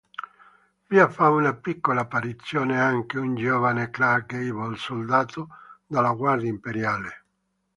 Vi fa una piccola apparizione anche un giovane Clark Gable, soldato della guardia imperiale.